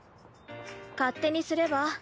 勝手にすれば。